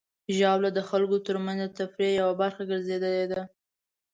ژاوله د خلکو ترمنځ د تفریح یوه برخه ګرځېدلې ده.